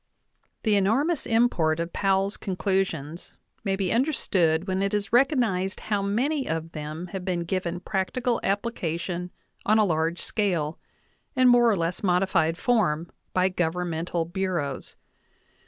The enormous import of Powell's conclusions may be under stood when it is recognized how many of them have been given practical application on a large scale, in more or less modified form, by governmental bureaus.